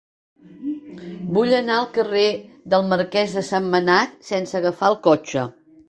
Vull anar al carrer del Marquès de Sentmenat sense agafar el cotxe.